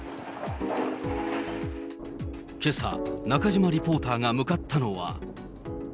けさ、中島リポーターが向かったのは。